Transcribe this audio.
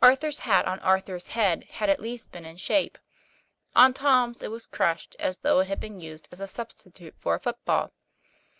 Ar thur's hat on Arthur's head had at least been in shape on Tom's it was crushed as though it had been used as a substitute for a football.